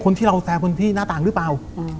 แล้วคนที่หน้าต่างรึเปล่า